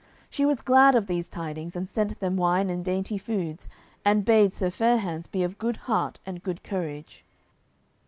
She was glad of these tidings, and sent them wine and dainty foods and bade Sir Fair hands be of good heart and good courage.